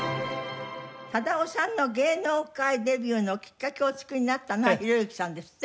忠夫さんの芸能界デビューのきっかけをお作りになったのが弘之さんですって？